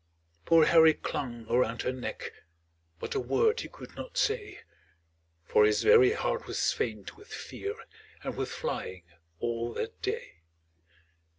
Poor Harry clung around her neck, But a word he could not say, For his very heart was faint with fear, And with flying all that day.